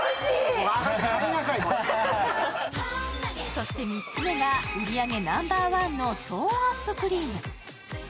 そして３つめが売り上げナンバーワンのトーンアップクリーム。